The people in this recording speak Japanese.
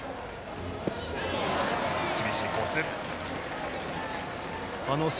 厳しいコース。